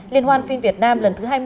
liên hoan phim việt nam lần thứ hai mươi